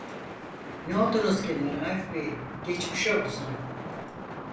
Ne oldunuz gene Raif bey, geçmiş olsun!